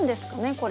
これ。